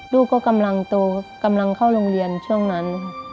ลูกก็กำลังโตกำลังเข้าโรงเรียนช่วงนั้นค่ะ